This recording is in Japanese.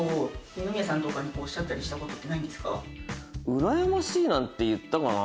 うらやましいなんて言ったかな？